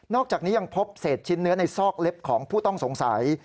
อกจากนี้ยังพบเศษชิ้นเนื้อในซอกเล็บของผู้ต้องสงสัย